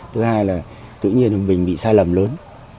tức là tự nhiên mình bị sai lầm lớn